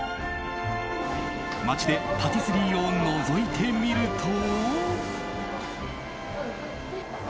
街でパティスリーをのぞいてみると。